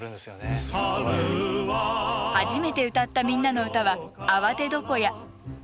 初めて歌った「みんなのうた」は「あわて床屋」。